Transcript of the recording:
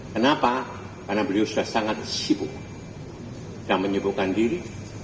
kenapa karena beliau sudah sangat sibuk dan menyebukkan diri